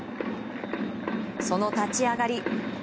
その立ち上がり。